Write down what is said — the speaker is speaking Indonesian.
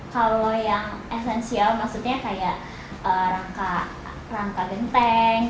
kalau yang esensial maksudnya kayak rangka genteng